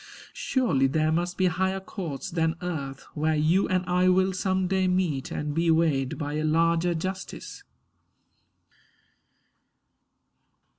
Surely there must be higher courts than earth, Where you and I will some day meet and be Weighed by a larger justice.